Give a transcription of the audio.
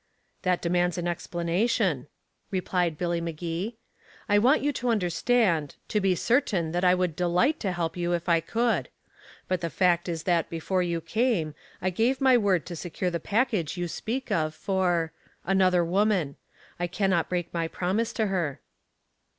"That demands an explanation," replied Billy Magee. "I want you to understand to be certain that I would delight to help you if I could. But the fact is that before you came I gave my word to secure the package you speak of for another woman. I can not break my promise to her."